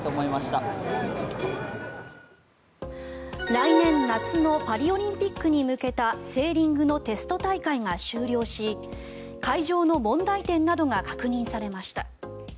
来年夏のパリオリンピックに向けたセーリングのテスト大会が終了し会場の問題点などが確認されました。